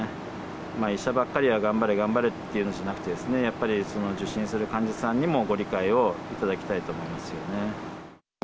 医者ばっかりが頑張れ頑張れって言うんじゃなくてですね、やっぱり、受診する患者さんにもご理解をいただきたいと思いますよね。